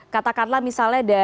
karena kalau misalnya kita melihat